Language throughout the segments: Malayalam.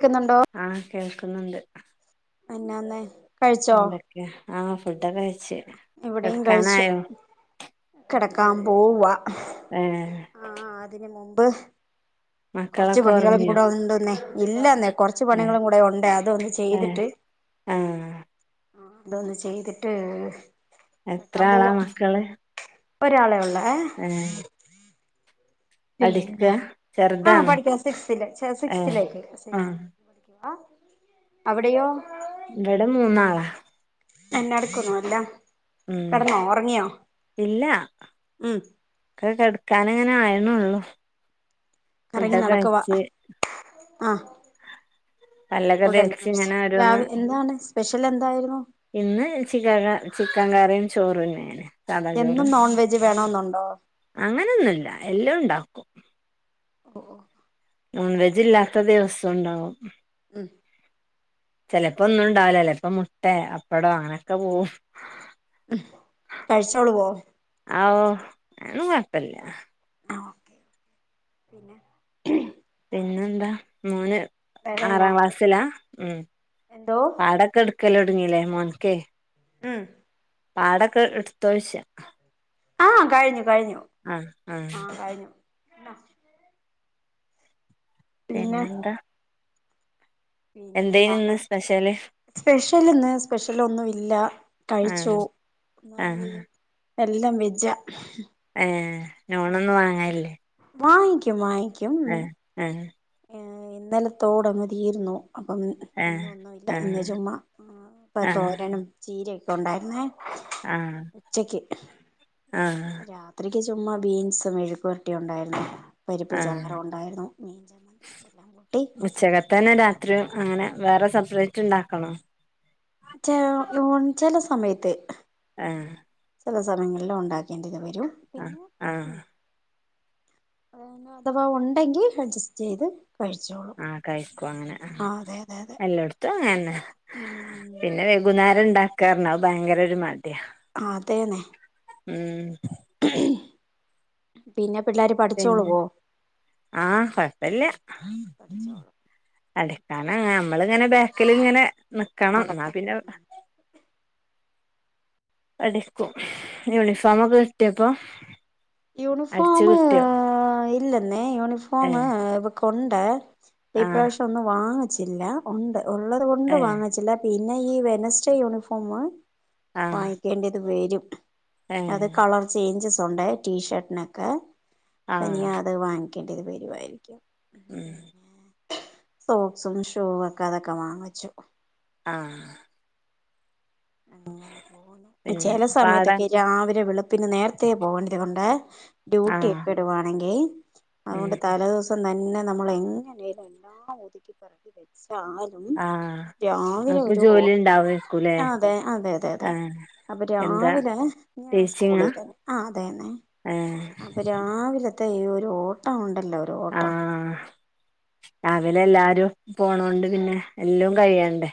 ക്കുന്നുണ്ടോ ആഹ് കേൾക്കുന്നുണ്ട് എന്നാന്നെ എന്തൊക്കെ ആഹ് ഫുഡൊക്കെ കഴി ഇവിടെയും കഴിച്ചു കിടക്ക കാൻപോവ ഏഹ് ദേ കുറച്ച് മക്കളൊക്കെ പണികളും ഒറങ്ങിയോ കൂടെ ഒണ്ടെന്നെ ഇല്ലന്ന് കുറച്ച് ഏഹ് പണികളും കൂടെ ഉണ്ട് അതൊന്ന് ഏഹ് ചെയ്തിട്ട് ആഹ് അതൊന്ന് ചെയ്തിട്ട് എത്ര കിടക്കാൻ ആളാ പോവാ മക്കള് ഒരാളെ ഉള്ളോ ആ ഏഹ് പിന്നെ പഠിക്കാ ആഹ് ചെറുതാണോ പഠിക്കണ് സിക്സ്തിൽ ചെ ഏഹ് സിക്സ്തിലേക്ക് സിക് ആഹ് ആ അവിടെയോ ഇവിടെ മൂന്നാളാ എന്നടുക്കുന്നു എല്ലാം ഉം കിടന്നോ ഉറങ്ങിയോ ഇല്ലാ ഉം കൈ കെടുക്കാന് അങ്ങനെ ആയിന്നുള്ളു ഫുഡൊക്കെ കഴിച്ച് ആ പല്ലൊക്കെ തേച്ച് ഇങ്ങനെ ഓരോന്ന് രാവി എന്താണ് സ്പെഷ്യൽ എന്തായിരുന്നു ഇന്ന് ചിക്ക ചിക്കൻ കറിയും ചോറുന്നെയാണ് സാദാ ചോറ് എന്നും നോൺ വെജ് വേണൊന്നുണ്ടോ അങ്ങനൊന്നുല്ല എല്ലാം ഉണ്ടാക്കും ഓഹ് നോൺ വെജ് ഇല്ലാത്ത ദിവസം ഉണ്ടാവും ഉം ചിലപ്പോ ഒന്നും ഉണ്ടാവില്ല ലപ്പം മുട്ട അപ്പടോ അങ്ങനൊക്കെ പോവും കഴിച്ചോളുവോ ആവോ ആന്നും കൊഴപ്പില്ല പിന്നെ പിന്നെന്താ മോന് വേറെന്നാ ആറാം ക്ലാസ്സിലാ ഉം എന്തോ പാഠമൊക്കെ എടുക്ക ല് തുടങ്ങിയില്ലേ മോനുക്കെ ഉം പാടൊക്കെ എടുത്തോശ ആ കഴിഞ്ഞു കഴിഞ്ഞു ആഹ് ആ കഴിഞ്ഞു [unintelligible] പിന്നെന്താ എന്തേനു ഇന്ന് പിന്നെന്താണ് സ്പെഷ്യല് സ്പെഷ്യലിന്ന് സ്പെഷ്യൽ ഒന്നും ഇല്ല കഴിച്ചോ ആഹ് ആഹ് [unintelligible] എല്ലാം വെജ്ജാ ഉം ലോണൊന്നും വാങ്ങാനില്ലേ വാങ്ങിക്കും വാ ആ ആ ഇന്നലത്തോടങ്ങ് തീർന്നു അപ്പം ആഹ് ഇന്നൊന്നുല്ല ഇന്ന് ആഹ് ചുമ്മാ ഇപ്പ ആഹ് തോരനും ചീരയും ഉണ്ടായിരുന്നേ ഉച്ചക്ക് ആ രാത്രിക്ക് ചുമ്മാ ബീൻസും മെഴുക്കു വരട്ടി ഉണ്ടായിരുന്നു പരിപ്പ് ആഹ് ചാറ് ഉണ്ടായിരുന്നു മീൻചമ്മന്തി ഇതെല്ലാം കൂട്ടി ഇത്രയും അങ്ങനെ വേറെ സപ്രെയിറ്റ് ഉണ്ടാക്കണോ ച ഓ ചില സമയത്ത് ആ ചില സമയങ്ങളിലും ഉണ്ടാക്കേണ്ടി വ ആഹ് പിന്നെ ആഹ് ഉം ആ അന്നാ അഥവാ ഉണ്ടെങ്കിൽ അഡ്ജസ്റ്റ് ചെയ്ത് കഴിച്ചോളും ആ കഴിക്കും അങ്ങനെ ആ അതെ അതെ അതെ എല്ലേടത്തും അങ്ങനെ തന്നെ ഉം പിന്നെ വൈകുന്നേ ഉണ്ടാക്ക പറഞ്ഞാ അത് ഭയങ്കര ഒരു മടിയാ ആ അതേന്നെ ഉം പിന്നെ പിള്ളേര് പിന്നെ പഠിച്ചോളുവോ ആ കൊഴപ്പല്ല പഠിച്ചോളും അതെ കാരണം ഞമ്മളിങ്ങനെ ബാക്കിലിങ്ങനെ നിക്കണം എന്നാ പിന്നെ [unintelligible] നടക്കും [unintelligible] കിട്ടയപ്പ യൂണിഫോമ് ഇല്ലെന്നെ യൂണിഫോമ് ഏഹ് കൊണ്ട് ആഹ് ഇപ്രാവശ്യം ഒന്നും വാങ്ങി ജില്ല ഒണ്ട് ഉള്ളത് കൊണ്ട് ഏഹ് വാങ്ങിച്ചില്ല പിന്നെ ഈ വെനസ്ഡേ യൂണിഫോമ് ആഹ് വായിക്കേണ്ടത് വെരും അത് ഏഹ് കളർ ചേഞ്ച്സ് തൊണ്ടായി ടിഷർട്ടനക്കെ പനിയാ ആഹ് അത് വാ [unintelligible] വരുവായിരിക്കും ഉ ഉം പിന്നെ സോക്ക്സും ഷൂവൊക്കെ അതൊക്കെ വാങ്ങച്ചു ആഹ അങ്ങനെ പോവുന്നു പിന്നെ ചെല പാട സമയത്തൊക്കെ രാവിലെ വെളു പിന്നെ നേരത്തെ പോകേണ്ട്യ കൊണ്ട് ഡ്യൂട്ടി ആഹ് ഒക്കെ ഇടുവാണെങ്കിൽ ഉം അത്കൊണ്ട് തലേ ദിവസം [unintelligible] നമ്മള് എങ്ങനേലും എല്ലാം ഒതുക്കി പറക്കി വെച്ച് ആഹ അനക്ക് ജോലിണ്ടാവേക്കുലെ ആ അതെ അതെ അതെതെതെ അപ്പൊ എന്താ രാവിലെ ഞാൻ ടീച്ചിങ്ങാ സ്കൂളിൽ ആ അതെന്നെ ഏഹ് അപ്പൊ രാവിലെ ത ഒരു ഓട്ടംണ്ട് ആഹ രാവിലെ എല്ലാരും പോണോണ്ട് പിന്നെ എല്ലും കയ്യണ്ടേ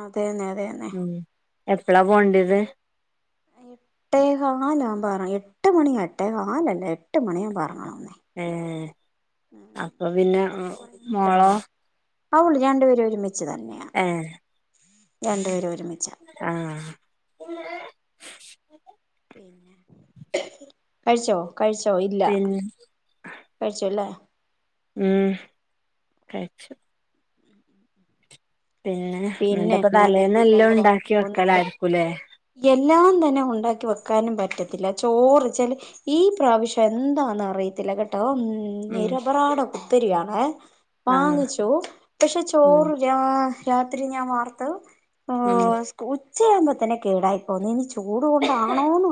അതെന്നെ അതെന്നെ എപ്പളാ പോണ്ട്യത് എട്ടേ കാലമ്പ ഏറ എട്ട് മണി എട്ടേ കാലല്ലേ എട്ട് മണിയമ്പ ഇറങ്ങണം ഏഹ് അപ്പൊ പിന്നെ മോളോ ആഹ് ഉള്ളൂ രണ്ടുപേരെ ഒരുമി ച്ച് തന്നെയ രണ്ടു പേരെ ഒരുമി ആ കഴിച്ചോ? കഴിച്ചോ ഇല്ല പിന്നെ കഴിച്ചുല്ലേ? ഉം കഴിച്ചു പിന്നെ പിന്നെ എന്നിട്ടപ്പ എന്നാന്ന് പിന്നെ തലേന്നെല്ലാം എങ്ങനെ അങ്ങ് ഉണ്ടാക്കി വെക്കലാരിക്കുല്ലെ ന്നെ ഉണ്ടാക്കി വെക്കാനും പറ്റത്തില്ല ചോറിച്ചാല് ഈ പ്രാവിശ്യം എന്താന്നറിയത്തില്ല കേട്ടോ ഉം ഉം നിരപറാടോ ത്തിരിയാണെ ആഹ് വാങ്ങിച്ചു പക്ഷെ ഉം ചോറ് രാ രാത്രി ഞാൻ വാർത്ത് ഓ ഉം സ്കൂ ചെയ്യുമ്പോ തന്നെ കേടായി പോന്നു ഇനി ചൂട് കൊണ്ടാ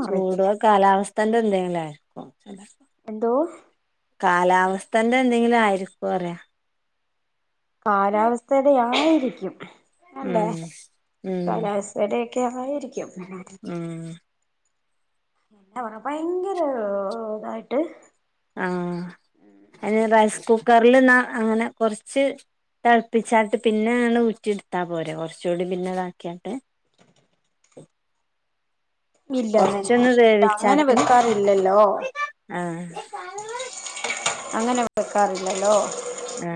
ചൂടോ കാലാവസ്ഥന്റെ എന്തെങ്കിലാ രിക്കു അല്ലെ എന്തോ കാലാവസ്ഥന്റെ എന്തെങ്കിലും ആയിരിക്കു പറയ കാലാവസ്തെടെയായി രിക്കും. അല്ലേ ഉം ഉം കാലാവസ്ഥേടെക്കെ ആയിരിക്കും. ഉം എന്നാ പറയുന്നേ ഭയങ്കര ഇതായിട്ട് ആ അതിന് റൈസ് കു കുക്കറിലെന്ന അങ്ങനെ കുറച്ച് തിളപ്പിച്ചാറീട്ട് പിന്നെ അങ്ങട്ട് ഊറ്റി എടുത്താൽ പോരെ കുറച്ചുകൂടി പിന്നെതാക്കിയാട്ട്. ഇല്ലന്നെ കൊറച്ചൊന്ന് ഇല്ല അങ്ങനെ വേവിച്ചാട്ട് വെക്കാറില്ലല്ലോ. ആഹ് അങ്ങനെ വെക്കാറില്ലല്ലോ ആ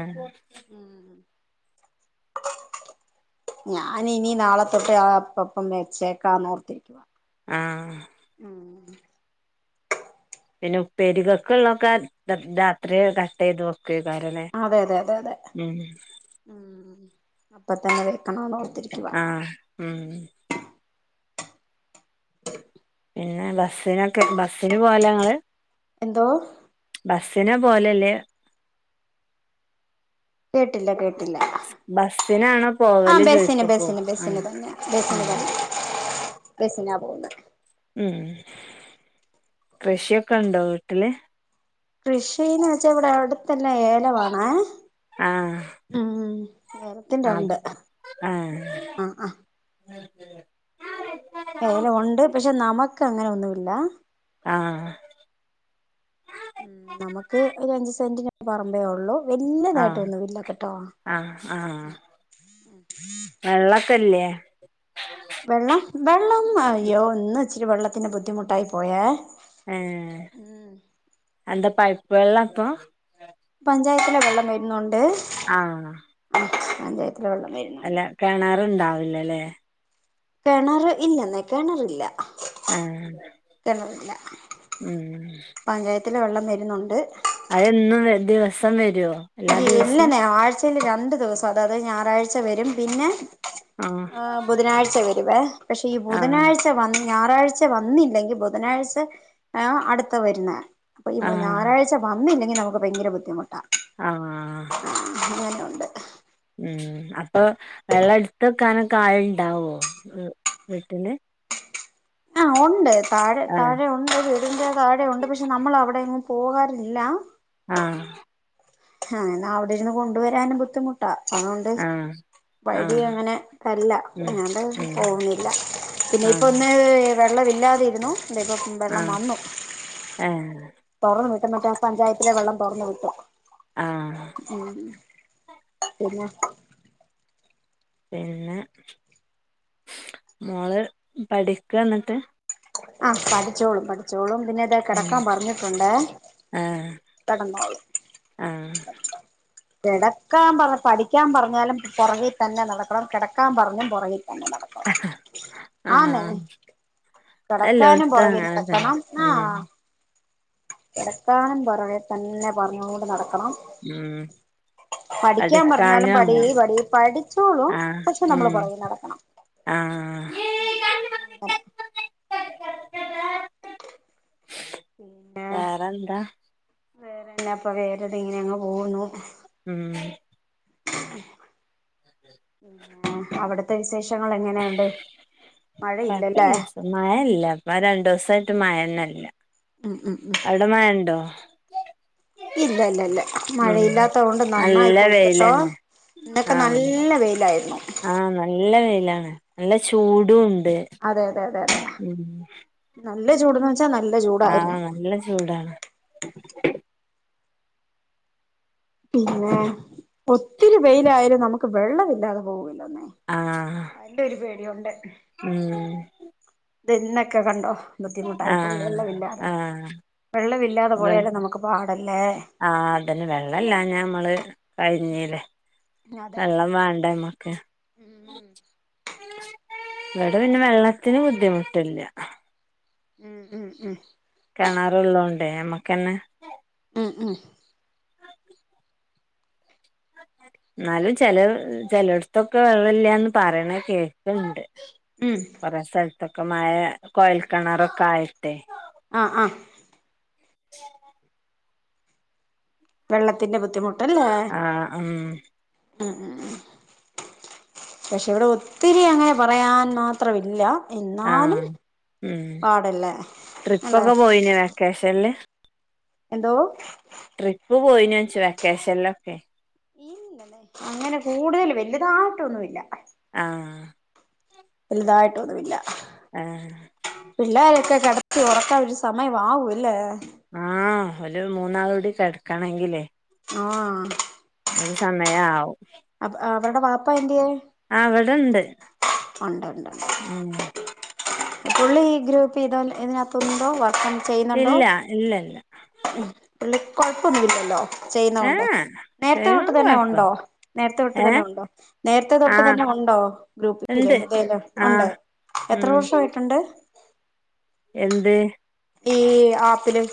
ഞാൻ ഇനി നാളെ തൊട്ട് അപ്പപ്പം വെച്ചേക്കാനോർത്തിരിക്കുവ. ആഹ് ഉം പിന്നെ ഉപ്പേരികക്കുള്ളോക്കെ ര രാത്രി കട്ട് ചെയ്ത് വെക്ക് അതെ അതെ അതെ അതെ ഉം അപ്പത്തന്നെ വെ ആ ഉം [unintelligible] പിന്നെ ബസ്സിനൊക്കെ ബസ് ന് പോകാലൊങ്ങള് എന്തോ ബസിനെ പോലെല്ലേ കേട്ടില്ല കേ ബസ്സിനാണോ ആഹ് പോവല് ബസിന് ചോയിക്കപ്പോ ബസിന് ആഹ് ബസിന് തന്നെ ബസിന് ഉം തന്നെ ബസിനാ പോകുന്ന ഉം കൃഷിയൊക്കെ ഉണ്ടോ വീട്ടില് കൃഷിന്ന് വെച്ചാ ഇവിടെവിടെ ത്തെല്ല ഏലംആണേ ആഹ് ഉം ഉം ഏലത്തിന്റെ അത് ഉണ്ട് ആഹ് ആഹ് [inaudible] ഏലം ഒണ്ട് പക്ഷെ നമു ക്കങ്ങനെ ഒന്നുല്ല ആഹ് ഉം നമുക്ക് ഒരു അഞ്ചു സെന്റിന് പറമ്പേയുള്ളൂ വല്ല്യതായിട്ട് ആഹ് ഒന്നുമില്ല കേട്ടോ ആഹ് ആഹ് ക്കെല്ലേ വെള്ളം വെള്ളം അയ്യോ ഇന്ന ഇച്ചിരി വെള്ളത്തിന്റെ ബുദ്ധിമുട്ടായി പോയേ ഏ ഉം എന്ത പൈപ്പ് വെള്ളാ അപ്പൊ പഞ്ചായത്തിലെ വെള്ളം വരുന്നുണ്ട് ആഹ് അതെ അല്ല കെണറുണ്ടാവില്ലേ വില്ലേ കെണറ് ഇല്ലെന്നെ കെണറില്ല ഏ ഉം ത്തിൽ വെള്ളം വരുന്നുണ്ട് അതു എന്നും ദിവസം വ ഇല്ലന്നെ ആഴ്ചയിൽ രണ്ടു ദിവസം അതായത് ഞായറാഴ്ച വരും പിന്നെ ആഹ് ബുധനാഴ്ച വരും വേ പക്ഷെ ഈ ആഹ് ബുധനാഴ്ച വന്ന ഞായറാഴ്ച വന്നില്ലെങ്കി ബുധനാഴ്ച ആ അടുത്ത വരുന്ന അപ്പൊ ഇ ആഹ് ഞായറാഴ്ച വന്നില്ലെങ്കിൽ നമു പ്പ ഭയങ്കര ബുദ്ധിമുട്ടാ ആ ഉണ്ട് [inaudible] ഉം അപ്പൊ വെള്ളം എട്ത്ത് വെ ക്കാനൊക്കെ ആളുണ്ടാവോ വീട്ടിൽ ആഹ് ഉണ്ട് താഴെ ആഹ് താഴെയുണ്ട് വീടിൻ്റെ താഴെയുണ്ട് പക്ഷെ നമ്മൾ അവിടെയങ്ങും പോകാറില്ല ആഹ ആഹ എന്ന അവിടെ ഇരുന്ന് കൊണ്ടുവരാനും ബുദ്ധിമുട്ടാ അതുകൊണ്ട് ആഹ് വഴിയ ആഹ് അങ്ങനെ തല്ല ഉം ഉം [unintelligible] ന്നില്ല പിന്നെ ഇപ്പ ആഹ് ഇന്നേ വരേ വെള്ളമില്ലാതിരുന്നു ന്തേ ഇപ്പം വെള്ളം ആഹ് വന്നു ഏഹ് തുറന്ന് ഇപ്പം മറ്റേ ആ പഞ്ചായത്തിലെ വെള്ളം തൊറന്നു വിട്ടു ആഹ് ഉം പിന്നെ പിന്നെ മോള് പഠിക്കന്നിട്ട് ആ പഠിച്ചോളും പഠിച്ചോളും പിന്നെ ദേ ഉം കെടക്കാൻ പറഞ്ഞിട്ടുണ്ടേ ആഹ് കെടന്നോളും ആഹ് കെടക്കാൻ പറഞ്ഞ് പഠിക്കാൻ പറഞ്ഞാലും പുറകെ തന്നെ നടക്കണം കിടക്കാൻ പറഞ്ഞും പൊറകിൽ [inaudible] ആന്നേ ആഹ് കിടക്കാനും എല്ലോടത്തും പുറകേ അങ്ങനെ നടക്കണം തന്നെ ആ ഉം കെടക്കാനും പൊറകെ തന്നെ പറഞ്ഞോണ്ട് നട ഉം ണംപഠിക്കാൻ പറഞ്ഞാലും പഠിക്കാനും പടി അങ്ങനെ പടി പഠിച്ചോളൂ ആഹ് പക്ഷെ നമ്മള് ഉം പുറകെ നടക്കണം ആഹ് ങ്ങനെ വേറെന്താ വേറെന്ന അപ്പൊ വേര്‌തെ ഇങ്ങനെ അങ്ങ്പോകുന്നു ഉം എന്താ വിശേഷം മഴയില്ലല്ലേ കുഴപ്പില്ല മഴല്ല രണ്ടോസം റ്റ് മഴനെല്ല ഉം ഉം ഉം അടമയണ്ടോ ഇല്ല ഇല്ല ഇല്ല ഉം മഴയില്ലാത്ത കൊണ്ട് നന്നായി നല്ല പോയിക്കട്ടോ വെയിലന്നെ ഇന്നൊക്കെ നല്ല വെയിലായിരുന്നു ആഹ നല്ല വെയിലാണ് നല്ല ചൂടുണ്ട് അതെ അതെ അതെ അതെ ഉണ്ട് നല്ല ചൂട്ന്ന് വെച്ചാ നല്ല ആ ചൂടായിരുന്നു നല്ല ചൂടാണ് [inaudible] പിന്നെ ഒത്തിരി വെയിലായാലും നമുക്ക് വെള്ള വില്ലാതെ പോവില്ലെന്നേ ആഹ് അയ്ന്റ ഒരു പേടിയുണ്ട് ഉം ദെ ഇന്നൊക്കെ കണ്ടോ ആ ബുദ്ധിമുട്ടായി പോയി വെള്ളമില്ലാതെ ആ വെള്ളമില്ലാതെ അതെ പോയാല് നമുക്ക് പാടല്ലേ ആ അതെന്നെ വെള്ളെല്ലാഞ മ്മള് കഴിഞ്ഞി ലെ അതെ വെള്ളം വേണ്ടെമ്മക്ക് ഇവിടെ പിന്നെ വെള്ളത്തിന് ബുദ്ധിമുട്ടില്ല ഉം ഉം ഉം കെണറുള്ളോണ്ടെ നമ്മക്കെന്നെ ഉം ഉം ന്നാലും ചെലേ ചെലോട്ത്തൊക്കെ വെള്ളല്ലാന്ന് പറേണെ കേക്ക്ണ്ട് ഉം കൊറേ സ്ഥൽ ത്തൊക്കെ മയ കൊയൽ കെണറൊക്കെ ആയിട്ടെ ആ ആ വെള്ളത്തിന്റെ ബു ആ ഉം ഉം ഉം ഉം പക്ഷെ ഇവിടെ ഒത്തിരി അങ്ങനെ പറയാൻ മാത്രമില്ല ആ എന്നാലും മ് പാടല്ലേ അല്ലെ ട്രിപ്പൊക്കെ പോയിനോ വെക്കേഷൻല് എന്തോ ട്രിപ്പ് പോയിനോച്ചെ വെക്കേഷനിലൊക്കെ ന്നില്ലല്ലേ അങ്ങനെ കൂടുതൽ വലുതായിട്ടൊന്നുമില്ല ആഹ് വലുതായിട്ടൊന്നുമില്ല ആ പിള്ളേരൊക്കെ കെടത്തി ഉറക്കാൻ ഒരു സമയംമാവുംല്ലേ ആ ഓല് മൂന്നാളൂടി കെടക്കണെങ്കിലെ ആ അത് സമയാവും അപ് അവരുടെ വാപ്പ എന്ത്യേ അവട്ണ്ട് ഉണ്ട് ഉണ്ട് ആ പുള്ളി ഈ ഗ്രൂപ്പ് ഇത ഇതിനകത്തണ്ടോ വ ഇല്ല ഇല്ലല്ല മ് പുള്ളികൊഴപ്പൊന്നുല്ലലോ ചെയ്യുന്നോണ്ടെ ഏഹ് നേരത്തെ തൊട്ട് ചെയ്യണോണ്ട് തന്നെ ഒണ്ടോ കൊഴപ്പൊന്നു നേരത്തെ തൊട്ട് തന്നെ ഏഹ് ഒണ്ടോ നേരത്തെ തൊട്ട് ആഹ് തന്നെ ഒണ്ടോ ഇണ്ട് ഗ്രൂപ്പില് ഉണ്ട് ആഹ് എത്ര ഉം വർഷ ആയിട്ടുണ്ട് എന്തെ ഈ ആപ്പില്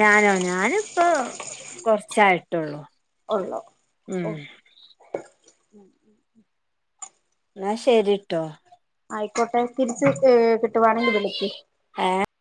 ഞാനോ ഞാനിപ്പോ കൊറ്ച്ച് ഉച്ചായിട്ടൊള്ളൂ ഒള്ളോ ഓ. ഉം ഉം ഉം. ന്നാ ശരിട്ടോ. ആയിക്കോട്ടെ തിരിച്ച് ഏത് ന്നട്ട് വാണെങ്കി വിളിക്ക്.